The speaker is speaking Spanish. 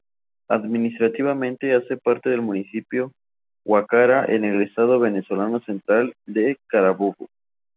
Administrativamente hace parte del Municipio Guacara en el estado venezolano central de Carabobo.